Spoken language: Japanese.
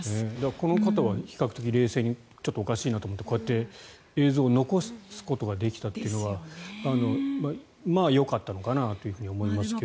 この方は比較的冷静におかしいなと思って映像を残すことはできたというのはまあよかったのかなと思いますが。